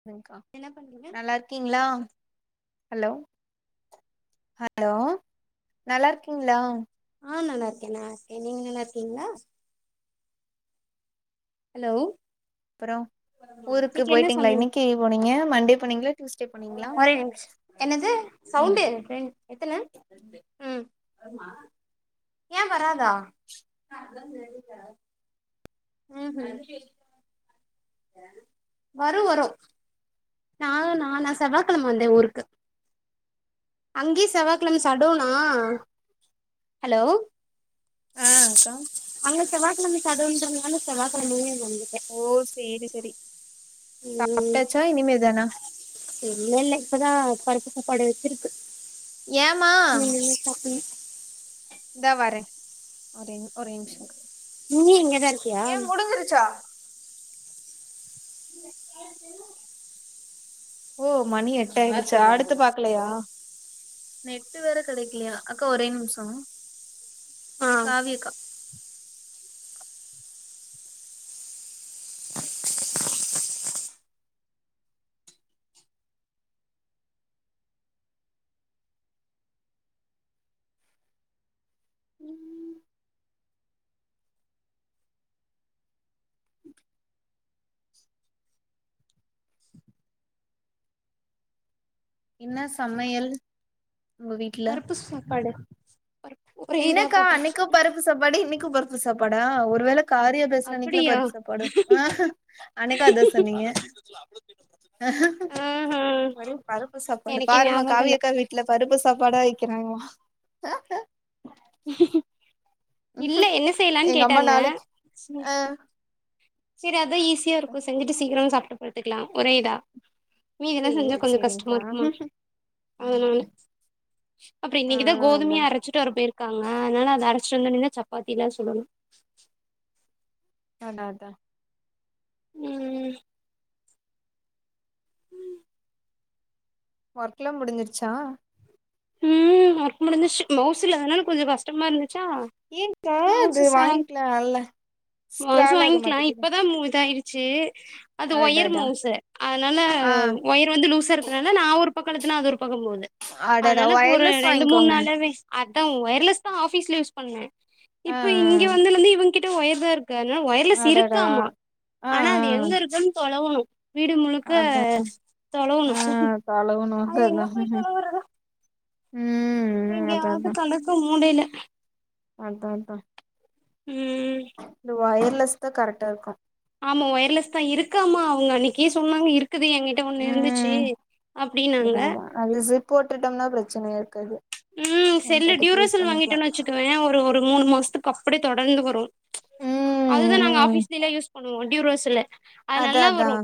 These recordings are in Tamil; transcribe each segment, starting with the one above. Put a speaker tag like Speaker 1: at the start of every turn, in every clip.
Speaker 1: சொல்லுங்க்கா
Speaker 2: என்ன பண்றீங்க
Speaker 1: நல்லா இருக்கீங்களா ஹலோ ஹலோ நல்லா இருக்கீங்களா
Speaker 2: ஆ நல்லாருக்கே நா [inaudible] நீங்க நல்லாருக்கீங்களா ஹலோ
Speaker 1: அப்பறோ ஊருக்கு
Speaker 2: இன்னைக்கு என்ன
Speaker 1: போய்ட்டீங்களா
Speaker 2: சமையல்
Speaker 1: என்னைக்கி போனீங்க மண்டே போனீங்களா டியூஸ்டே போனீங்களா
Speaker 2: ஒரே நிமிஷ என்னது
Speaker 1: ம்
Speaker 2: சவுண்டு எத்தன ம் ஏ வராதா ம் ம் வரு வரு நா நா நானா செவ்வாய்கிழம வந்தே ஊருக்கு அங்கே செவ்வாகிழம சட்டோனா ஹலோ
Speaker 1: ஆ அக்கா
Speaker 2: அங்க செவ்வாகிழமை ஷாடௌன்ங்குறதுனால செவ்வாகிழமையே வந்துட்டே
Speaker 1: ஓ செரி செரி
Speaker 2: ம் இல்ல இல்ல இப்பதா பருப்பு சாப்பாடு வச்சிருக்கு
Speaker 1: ஏமா
Speaker 2: இனிமே தா சாப்புனு
Speaker 1: ஒரே ஒரே நிம்ஷ
Speaker 2: நீ இங்கதா இருக்கியா
Speaker 1: ஏன் முடிஞ்சிருச்சா ஓ மணி எட்டு ஆயிடுச்சா அடுத்து பாக்கலையா நெட்டு வேற கடைக்கிலியா அக்கா ஒரே நிம்ஷ
Speaker 2: ஆ
Speaker 1: காவியா அக்கா இன்ன சமையல் உங்க வீட்ல
Speaker 2: பருப்பு சாப்பாடு ஒரே இதா
Speaker 1: இன்னெக்கா
Speaker 2: போட்டாச்சு
Speaker 1: அன்னைக்கு பருப் இது சாப்பாடு இன்னைக்கு பர்த்து சாப்பாடா ஒர் வேள காரியா பேசுறனைக்ல
Speaker 2: அப்படியா
Speaker 1: பருப் சாப்பாடோ ஆஹா அன்னைக்கு அதா சொன்னீங்க
Speaker 2: ஆஹா
Speaker 1: ஒரே பருப்பு சாப்பாடு
Speaker 2: எனக்கே
Speaker 1: பாரும்மா
Speaker 2: ஞாபகம் இல்ல
Speaker 1: காவியக்கா வீட் ட்ல பருப்பு சாப்பாடா வைக்கிறாங்லா
Speaker 2: இல்ல என்ன செய்லான்
Speaker 1: எங்க அம்மா
Speaker 2: கேட்டாங்க
Speaker 1: நாளைக்கு
Speaker 2: சேர்
Speaker 1: ஆ
Speaker 2: சரி அதா ஈஸியா இருக்கு செஞ்சிட்டு சீக்கிரமா சாப்ட்டு படுத்துக்லா ஒரே இதா மீதில்லா செஞ்சா
Speaker 1: சேரி
Speaker 2: கொஞ்சோ கஷ்டமா
Speaker 1: சேரிங்க்கா
Speaker 2: இர்க்குமான் அதனால் அப்றே
Speaker 1: ஆ
Speaker 2: இன்னிக்குதா
Speaker 1: அதா
Speaker 2: கோதுமயே அரச்சு சட்டு வர போய்ர்க்காங்க அனால அத அரைச்ட்டு வந்தோனிதா சப்பாத்திலா சுடணு
Speaker 1: நாடாதா
Speaker 2: ம்
Speaker 1: வர்க்ல்லா முடிஞ்சிர்ச்சா
Speaker 2: ஹு வர்க் முடிஞ்சிர்ச்சி மௌஸ் இல்லாதனால கொஞ்சோ கஸ் ட்டமா இருந்துச்சா
Speaker 1: ஏன்க்கா அது
Speaker 2: மௌச சாங்
Speaker 1: வாங்கிக்கலால்ல
Speaker 2: மௌசு
Speaker 1: ஸ்க்ரால் ஆக
Speaker 2: வாய்ன்க்லா
Speaker 1: மாட்டேங்குது
Speaker 2: இப்பதா மூ இதாய்ரி ச்சு அது ஒயர்
Speaker 1: அடடா
Speaker 2: மௌசு அனால
Speaker 1: ஆ
Speaker 2: ஒயர் வந்து லூசா இருக்கனால நா ஒர் பக்கலுத்தனா அது ஒர் பக்கோ போதே
Speaker 1: அடடா
Speaker 2: அனாலக் ஒரு
Speaker 1: ஒயர்லெஸ்
Speaker 2: ரெண்டு மூண்
Speaker 1: வாங்கிக்கோங்க
Speaker 2: நாளாவே அத்தா ஒயர்லெஸ் தா ஆஃபீஸ்ல யூஸ் பண்வே
Speaker 1: ஆ
Speaker 2: இப்ப இங்க வந்துனந்து இவன் கிட்ட ஒயர் தாரு க னா
Speaker 1: ஆ
Speaker 2: ஒயர்லஸ்
Speaker 1: அடடா
Speaker 2: இருக்காமா
Speaker 1: ஆ ஆ
Speaker 2: ஆனா அது எங்க இருக்குன் தொலவணு வீடு முழுக்க
Speaker 1: அதா
Speaker 2: தொலவணு
Speaker 1: ஆ தொலவுணு
Speaker 2: அது
Speaker 1: வந்து
Speaker 2: எங்க
Speaker 1: அதா
Speaker 2: போய் தொலவுரதோ
Speaker 1: ம் அதா
Speaker 2: எங்யாவ்து கடக்கும் மூடைய்ல
Speaker 1: அன்த்தா தா
Speaker 2: ம்
Speaker 1: இந்த வயர்லெஸ் தா கரக்டாருக்கு
Speaker 2: ஆமா ஒயர்லெஸ் தா இருக்கு அம்மா அவ்ங் அன்னிக்கே சொன்னாங்க இருக்குது என்கிட் ட்ட ஒண்ணு இருந்துச்சி அப்டின்னாங்க
Speaker 1: அதுல ஜிப் போட்டுட்டம்னா ப்ரச்சனயா இருக்காது
Speaker 2: ம்
Speaker 1: நம்ம
Speaker 2: செல்லு
Speaker 1: பாட்டுக்கு யூஸ்
Speaker 2: ட்யூராசெல்
Speaker 1: பண்ணிக்கலா
Speaker 2: வாங்கிட்டோன்னு வச்சுக்குவே ஒரு ஒரு மூணு மாஸ்த்துக் க்கப்டே தொடந்து வரு
Speaker 1: ம்
Speaker 2: அதுதா நாங்க
Speaker 1: ம்
Speaker 2: ஆஃபீஸ்லெய்ல யூஸ் பண்ணுவோ ட்யூரோசெல்ல அது
Speaker 1: அதா
Speaker 2: நல்லா
Speaker 1: அதா
Speaker 2: வரு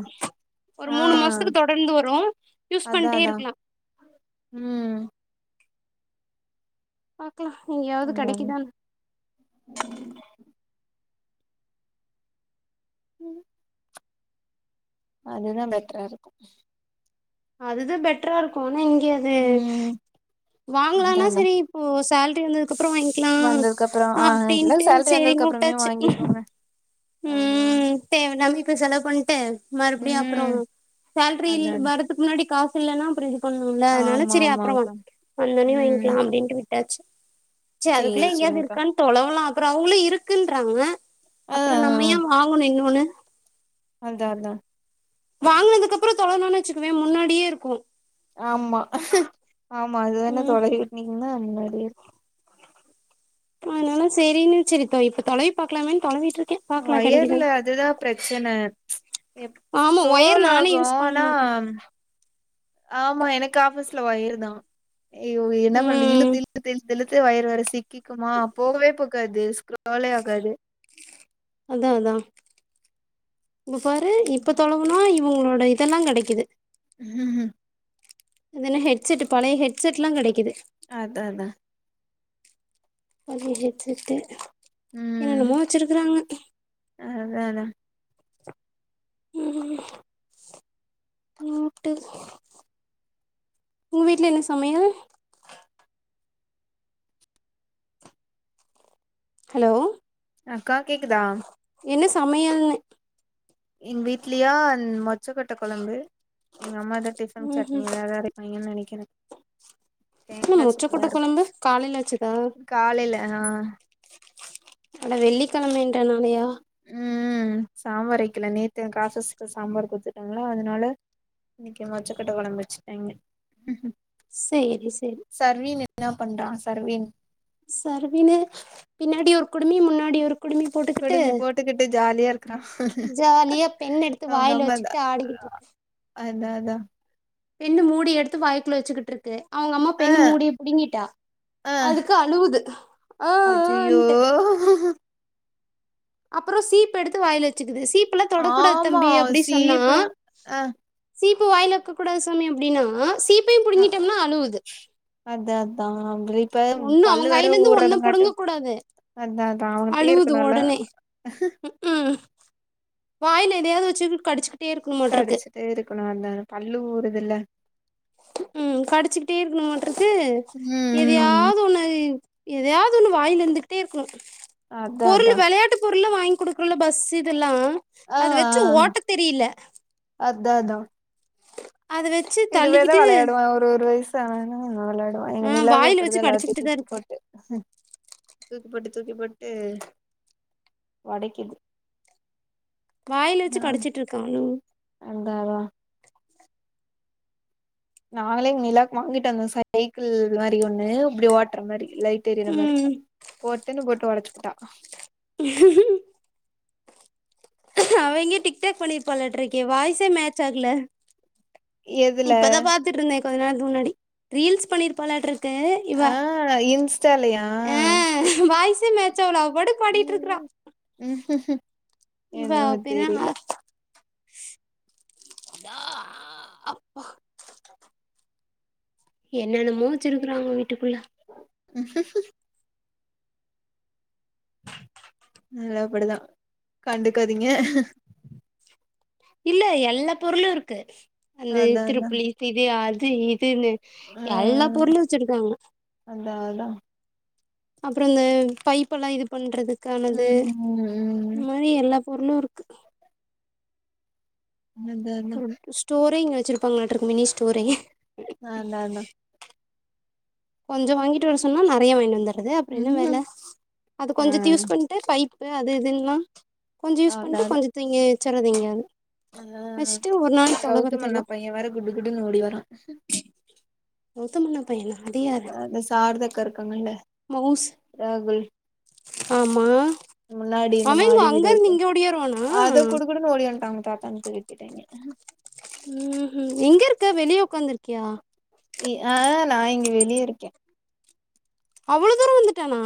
Speaker 2: ஒரு
Speaker 1: ஆ
Speaker 2: மூணு மாசத்துக்கு தொடர்ந்து வரு யூஸ்
Speaker 1: அதா
Speaker 2: பண்ட்டே
Speaker 1: அதா
Speaker 2: இருக்லா
Speaker 1: ம்
Speaker 2: பாக்கலா இங்யாவ்து
Speaker 1: அதா அதா
Speaker 2: கடக்கிதான்னு ம்
Speaker 1: அதுதா பெட்ட்ரா இருக்கு
Speaker 2: அதுதா பெட்ட்ரா ருக்கு ஆனா இங்க அது
Speaker 1: ம் அதா
Speaker 2: வாங்கலனா சரி இப் ஓ சேல்ரி வந்ததுக்கப்றோ வாங்
Speaker 1: வந்ததுக்கப்புறோ ஆ இல்ல சேல்ரி
Speaker 2: சரின்னு
Speaker 1: வந்ததுக்கப்புறமே
Speaker 2: வுட்டாச்சு
Speaker 1: வாங்கிகோங்க ஆஹா
Speaker 2: ட்டே நம்பி இப்ப செலவ் பண்ட்டே மறுப்டியு அப்புறோ
Speaker 1: ம்
Speaker 2: சேல்ரில்லு
Speaker 1: அதா அதா
Speaker 2: வரத் த்துக் முன்னாடி காஸ் இல்லன்னா அப்றோ இது பண்ணுல அதனால
Speaker 1: ஆமா
Speaker 2: சரி அப்றோ
Speaker 1: ஆமாக்கா
Speaker 2: வான்க் வந்தோணே
Speaker 1: ம்
Speaker 2: வாய்ன்க்லா அப்டின்ட்டு விட் ட்டாச்சு ச்ச
Speaker 1: சேரி
Speaker 2: அதுக்குள்ள எங்க்யாவ்து
Speaker 1: சேரிங்க்கா
Speaker 2: இருக்கான் தொலவ்லா அப்றோ அவ்ங்ளு இருக்குன்றாங்க
Speaker 1: ஆ
Speaker 2: அப்றோ நம்ம
Speaker 1: ஆ
Speaker 2: ஏ வாங்கணு இன்னொன்னு
Speaker 1: அதா அதா
Speaker 2: வாங்கனதுக்கப்றோ‌ தொலவுணோன்னு வச்சுக்குவே முன்னாடியே இருக்கு
Speaker 1: ஆமா ஆமா அது வேற
Speaker 2: ம்
Speaker 1: தொலை விட்னீங்கன்னா முன்னாடியே இரு
Speaker 2: அதனால சரின்னு சரி இப்ப இப்ப தொலைவி பாக்கலாமேன்னு தொலைவிட்ருக்கே
Speaker 1: ஒயர்ல அதுதா பிரச்சன எப்
Speaker 2: ஆமா ஒயர்
Speaker 1: ஸ்க்ரோல்
Speaker 2: நானே
Speaker 1: ஆகு
Speaker 2: யூஸ் பண்ண
Speaker 1: ஆனா
Speaker 2: மாட்டே
Speaker 1: ஆமா எனக்கு ஆபீஸ்ல ஒயர் தா அய்யோ என்ன பண்ற
Speaker 2: ம்
Speaker 1: இழுத்து இழுத்துட்டு இழுத் து இலுத்து ஒயர் வேர சிக்கிக்குமா போகவே போகாது ஸ்க்ரோலே ஆகாது
Speaker 2: அதா அதா இங்க பாரு இப்ப தொலவுனா இவங்களோட இதெல்லா கெடைக்குது
Speaker 1: ம் ம்
Speaker 2: இது என்ன ஹெட்செட்டு பழைய ஹெட்செட்ல்லா கெடைக்குது
Speaker 1: அதா அதா
Speaker 2: அய்யோ ஹெட்செட்டு என்னன்னமோ வச்சிருக்குறாங்க
Speaker 1: அதான
Speaker 2: ம் நோட்டு உங்க வீட்ல என்ன சமையல் ஹலோ
Speaker 1: அக்கா கேக்குதா
Speaker 2: என்ன சமையல்னு
Speaker 1: எங்க வீட்லயா மொச்சக்கொட்ட கொழம்பு எங்கம்மா தா டிஃபன்
Speaker 2: ம்
Speaker 1: சட்னி
Speaker 2: ம்
Speaker 1: எத அரை பயங்கரமா இனிக்கு எனக்
Speaker 2: ஆன மொச்சக்கொட்ட கொழம்பு காலையில வச்சதா
Speaker 1: காலைல ஆ
Speaker 2: அட வெள்ளிக்கெழம என்றனாளயா
Speaker 1: ம் சாம்பார் வக்கல நேத்து காசஸ் சாம்பார் கூத்து ங்களா அதனால இன்னைக்கு மொச்சக்கொட்ட கொழம்பு வச்சுட்டாய்ங்க
Speaker 2: சேரி சரி
Speaker 1: சர்வீன் என்னா பண்றா சர்வீன்
Speaker 2: சர்வினு பின்னாடி ஒரு குடுமி முன்னாடி ஒரு குடுமி போட்டுக்கிட்டு
Speaker 1: குடுமி போட்டுக்கிட்டு ஜாலியா இருக்கிறா
Speaker 2: ஜாலியா பெண் எடுத்து வாயில
Speaker 1: அவங்கம்மதா
Speaker 2: வச்சுக்கிட்டு ஆடிக்கிட்டு இருக்கு
Speaker 1: அதா அதா
Speaker 2: பெண்ணு மூடி எடுத்து வாய்க்குள்ள வச்சுக்கிட்ருக்கு அவங்கம்மா
Speaker 1: ஆ
Speaker 2: பென்னு மூடிய பிடிங்கிட்டா
Speaker 1: ஆ
Speaker 2: அதுக்கு அழுவுது ஆ ஆ
Speaker 1: அய்யய்யோ
Speaker 2: ன்ட்டு அப்பறோ சீப் எடுத்து வாயில வச்சுக்குது சீப் எல்லா தொடக்கூடாது
Speaker 1: ஆமா
Speaker 2: தம்பி அப்டினு சொன்னா
Speaker 1: சீப்புலா ஆ
Speaker 2: சீப்பு வாயில வக்க கூடாது சாமி அப்டின்னா சீப்பையும் புடுங்கிட்டோம்னா அழுவுது
Speaker 1: அதா அதா இப்ப
Speaker 2: ஒண்ணு
Speaker 1: பல்லு
Speaker 2: அவங்க
Speaker 1: வேற
Speaker 2: கையில இருந்து ஒன்ன
Speaker 1: ஊறதுங்காட்டு
Speaker 2: புடுங்க கூடாது
Speaker 1: அதா அதா அவங்கிட்டே
Speaker 2: அழுவுது
Speaker 1: இருக்கணுல்ல
Speaker 2: உடனே ம் வாயில எதயாவது வச்சு கடிச்சுக்கிட்டே இருக்கணு மாட்ருக்கு
Speaker 1: தே இருக்கனு அந்த பல்லு ஊறுதுல்ல
Speaker 2: ம் கடிச்சுக்கிட்டே இருக்கணுமாட்ருக்கு
Speaker 1: ம் ம்
Speaker 2: எதையாவது ஒன்னு எதையாவது ஒன்னு வாய்ல இருந்துகிட்டே இருக்கனு
Speaker 1: அதா அதா
Speaker 2: பொருள் வெளையாட்டு பொருள்லா வாங்கி குடுக் இங்குள்ள பஸ் இதெல்லா அத வெச்சு ஓட்ட தெரியில்ல
Speaker 1: அத்தா அதா
Speaker 2: அது வெ
Speaker 1: இதுவேதா வெளையாடுவ ஒரு ஒரு வயசு ஆன நால எங்க
Speaker 2: ஆ
Speaker 1: நிலாவே
Speaker 2: வாயில வச்சு
Speaker 1: அப்டிதா எல்லாத்தையு
Speaker 2: கடிச்சுக்கிட்டுதா
Speaker 1: துக்கி
Speaker 2: இருக்கா
Speaker 1: போட்டு தூக்கிபோட்டு தூக்கிபோட்டு ஒடைக்குது
Speaker 2: வாயில வச்சு கடிச்சிட்டுருக்கானு
Speaker 1: அந்தாவா நாங்களே எங்க நிலாக்கு வாங்கிட்டு வந்தோ சைக்கிள் மாரி ஒன்னு இப்டி ஓட்ற மாரி லைட் தெரிற மாரி
Speaker 2: ம்
Speaker 1: பொட்டுன்னு போட்டு ஒடைச்சு புட்டா
Speaker 2: உ [unintelligible] அவ எங்க டிக் டாக் பண்ணிருப்பலாட்டுருக்கே வாய்ஸே மேச் ஆகல
Speaker 1: எதுல
Speaker 2: இப்பதா பாத்துட்டு இருந்த கொஞ்ச நேரத்துக்கு முன்னாடி ரீல்ஸ் பண்ணிருப்பாலாட்டுருக் கு இவ
Speaker 1: ஆ இன்ஸ்டாலயா
Speaker 2: ஆ வாய்சே மேட்ச் ஆவல அவ பாட்டுக்கு பாடிட்டுருக்றா
Speaker 1: என்னமோ தெரில
Speaker 2: பேரென்ன அதா ஆ அப்பா என்னென்னமோ வச்சிருக்குறாங்க வீட்டுக்குள்ள
Speaker 1: ச ச [unintelligible] அதலா அப்டிதா கண்டுக்காதிங்க
Speaker 2: இல்ல எல்லா பொருளு இருக்கு அந்த
Speaker 1: அதா அதா
Speaker 2: திருப்ளி தீபி அது இதுன்னு
Speaker 1: ஆ
Speaker 2: எல்லா பொருளு வச்சிருக்காங்க
Speaker 1: அதா அதா
Speaker 2: அப்றோ இந்த பைப்புலா இது பண்றதுக்கானது
Speaker 1: ம் ம்
Speaker 2: இதும ரி எல்லா பொருளு இருக்கு
Speaker 1: அந்தந்த
Speaker 2: ஒரு ஸ்டோரிங் வச்சிருப்பாங்களாட்ருக்கு மினி ஸ்டோரி
Speaker 1: அதா அதா
Speaker 2: கொஞ்சோ வாங்கிட்டு வர சொன்னா நெறைய வாங்கிட்டு வந்தறது அப்றோ என்ன
Speaker 1: ம்ஹூம்
Speaker 2: வேல அது கொஞ்சத்த யூஸ் பண் பைப்பு அது இதுன்லா கொஞ்சோ
Speaker 1: அதான்
Speaker 2: யூஸ் பண்ணிட்டு கொஞ்சத்த இங்கே வச்சறது எங்கயாது
Speaker 1: அ கௌதம் அண்ணா
Speaker 2: எல்லா
Speaker 1: பைய வேற குடு குடுன்னு ஓடி வரா
Speaker 2: மொத்தோ மூணு பையனா அது யாரு
Speaker 1: சாரதா அக்கா இருக்காங்கல
Speaker 2: மவுஸ்
Speaker 1: ராகுல்
Speaker 2: ஆமா
Speaker 1: முன்னாடி இந்த
Speaker 2: அவ எங்க
Speaker 1: மாடி
Speaker 2: அங்க
Speaker 1: வீடு
Speaker 2: இருந்து
Speaker 1: இருக்கு
Speaker 2: இங்க ஓடியாருவானா
Speaker 1: அத குடு குடுனு ஓடி வன்டாங்க தாத்தா வந்து தூக்கிட்டு போய்ட்டாங்கே
Speaker 2: ம்ம் எங்க இருக்க வெளிய உக்காந்துருக்கியா
Speaker 1: ஆ நா இங்க வெளிய இருக்கே
Speaker 2: அவ்ள தூரோ வந்துட்டானா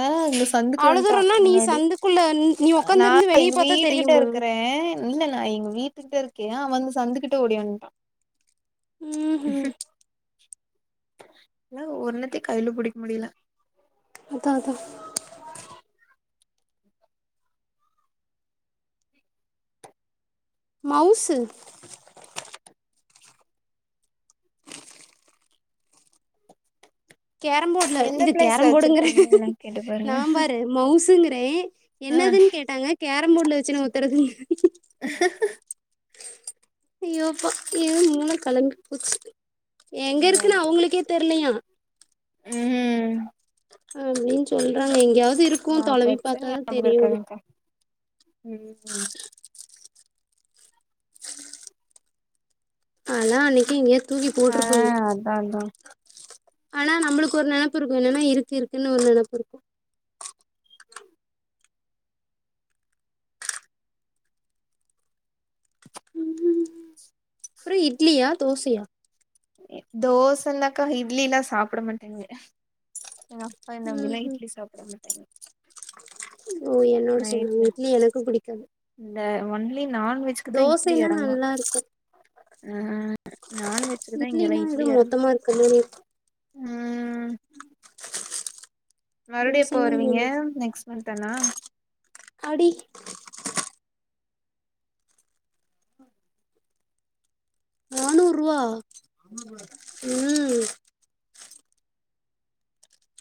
Speaker 1: ஆ சந்துக்கு
Speaker 2: அவ்ளோ
Speaker 1: வன்டா
Speaker 2: தூரம்னா நீ
Speaker 1: முன்னாடி
Speaker 2: சந்துக்குள்ள நீ
Speaker 1: நா
Speaker 2: உக்காந்துருந்து வெளிய
Speaker 1: எங்க
Speaker 2: பாத்தா
Speaker 1: வீட்டுகிட்ட
Speaker 2: தெரியுமா
Speaker 1: இருக்குறே இல்ல நா எங்க வீட்டுக்கிட்ட இருக்கே அவ வந்து சந்துக்கிட்ட ஓடி வன்ட்டா
Speaker 2: ம்ஹு
Speaker 1: என்னால ஒன்னுத்தியு கைல புடிக்க முடியல
Speaker 2: அதா அதா மௌசு கேரம் போர்ட்ல
Speaker 1: எந்த
Speaker 2: இது
Speaker 1: பிளேஸ்ல
Speaker 2: கேரம் போர்டுங்கற
Speaker 1: வச்சிருப்பாங்கன்னு வேணா கேட்டு பாருங்க
Speaker 2: நா பாரு மவுசுங்கறே
Speaker 1: ஆ
Speaker 2: என்னதுன்னு கேட்டாங்க கேரம்போர்டுல வச்சு நவுத்துறதுன்னு
Speaker 1: [inaudible]
Speaker 2: ஐயோப்பா ஏ மூள கலங்கி போச்சு எங்க
Speaker 1: இந்தா
Speaker 2: இருக்குன்னு அவுங்களுக்கே தெர்லையா
Speaker 1: ம்
Speaker 2: அப்டின்னு சொல்றாங்க எங்கேயாவது இருக்
Speaker 1: நா பட்சன்யா [unintelligible] நியாபகம் இருக்காதுக்கா
Speaker 2: ஆனா அன்னைக்கு இங்கயே தூக்கி
Speaker 1: ஆ
Speaker 2: போட்டிருக்கோங்க
Speaker 1: அதா அதா
Speaker 2: ஆனா நம்மளுக்கு ஒரு நெனப்பு இருக்கு என்னன்னா இருக்கு இருக்குன்னு ஒரு நெனப்பு இருக்கு அப்றோ இட்லியா தோசையா
Speaker 1: தோசைதாக்கா இட்லினா சாப்பிட மாட்டேங்கே எங்க அப்பா என்ன மிட்நைட்
Speaker 2: ம்
Speaker 1: இட்லி சாப்பிடுறாங்க
Speaker 2: ஓ என்னோட
Speaker 1: நைட்ல
Speaker 2: சேந்தவங்க இட்லி எனக்கு பிடிக்காது
Speaker 1: இந்த ஒன்லி நான்வெஜ்
Speaker 2: தோசைன்னா நல்லா இருக்கு
Speaker 1: ஆ நான்வெஜ்குதா இங்க எல்லா
Speaker 2: இட்லினா ஏதோ
Speaker 1: இட்லி இரங்
Speaker 2: மொத்தமா இருக்க மாரி இருக்கு
Speaker 1: ம் மறுபடியு எப்போ
Speaker 2: தோசைனா
Speaker 1: வருவீங்க நெக்ஸ்ட் மன்த் தானா
Speaker 2: அடி நூறுபா ம்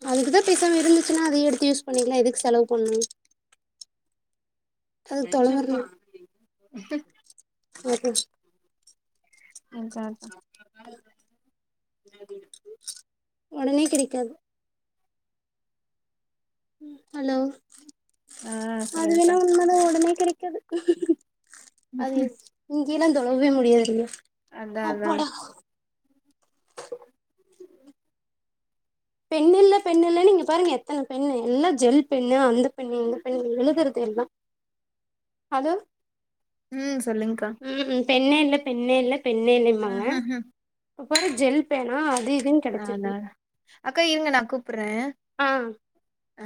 Speaker 2: அதுக்குதா பேசாம இருந்துச்சுன்னா அதையே எடுத்து யூஸ் பண்ணிக்கலா எதுக்கு செலவு பண்ணணு அது தொலங்குமா
Speaker 1: [inaudible]
Speaker 2: [unintelligible]
Speaker 1: [unintelligible]
Speaker 2: ஒடனே கெடைக்காது ஹலோ
Speaker 1: ஆ
Speaker 2: அதுவேணா
Speaker 1: சொல்லுங்க்கா
Speaker 2: உண்மதா ஒடனே கெடைக்காது அது இங்கெல்லா தொழங்வே முடியாதுங்க
Speaker 1: அதான் அதா
Speaker 2: அப்பாடா பென்னில்ல பென்னில்லன்னு இங்க பாருங்க எத்தன பென்னு எல்லா ஜெல் பென்னு அந்த பென்னு இந்த பென்னு எழுதுறதெல்லா அது
Speaker 1: ம் சொல்லுங்கக்கா
Speaker 2: ம் ம் பென்னே இல்ல பென்னே இல்ல பென்னே இல்லைம்பாங்க இப்ப பாத் ஜெல் பேனா அது இதுன்
Speaker 1: ஆனா அக்கா இருங்க நா கூப்புறே
Speaker 2: ஆ
Speaker 1: ஆ